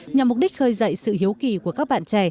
nhằm mục đích khơi dậy sự hiếu kỳ của các bạn trẻ